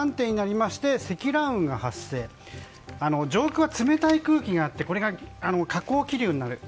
上空は冷たい空気があってこれが下降気流になる。